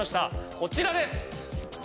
こちらです。